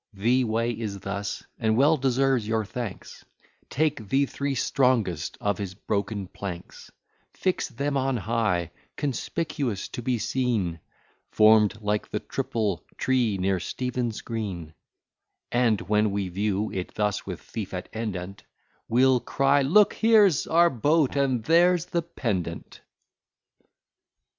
The way is thus: and well deserves your thanks: Take the three strongest of his broken planks, Fix them on high, conspicuous to be seen, Form'd like the triple tree near Stephen's Green: And, when we view it thus with thief at end on't, We'll cry; look, here's our Boat, and there's the pendant.